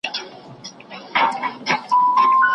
کله چي سوداګر مال پلوري، بايد رښتيا خبرې وکړي.